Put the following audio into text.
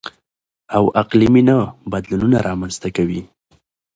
او اقلـيمي نه بـدلونـونه رامـنځتـه کوي.